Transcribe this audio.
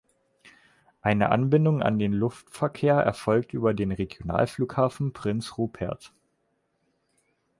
Eine Anbindung an den Luftverkehr erfolgt über den Regionalflughafen Prince Rupert.